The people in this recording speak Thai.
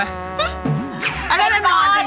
เป็นมอนจริงใช่ไหม